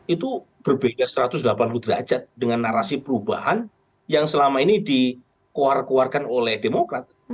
itu berbeda satu ratus delapan puluh derajat dengan narasi perubahan yang selama ini dikeluarkan oleh demokrat